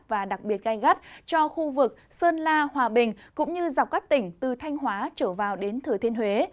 và đặc biệt gai gắt cho khu vực sơn la hòa bình cũng như dọc các tỉnh từ thanh hóa trở vào đến thừa thiên huế